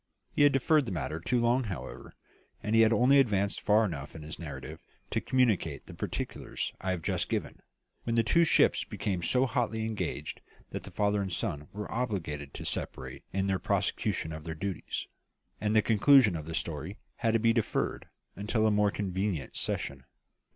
He had deferred the matter too long, however; and he had only advanced far enough in his narrative to communicate the particulars I have just given, when the two ships became so hotly engaged that the father and son were obliged to separate in the prosecution of their duties, and the conclusion of the story had to be deferred until a more convenient season.